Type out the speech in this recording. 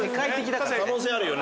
可能性あるよね。